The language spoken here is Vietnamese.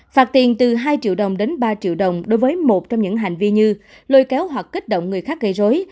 phạt tiền từ hai triệu đồng đến ba triệu đồng đối với một trong những hành vi như lôi kéo hoặc kích động người khác gây rối